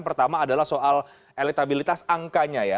pertama adalah soal elektabilitas angkanya ya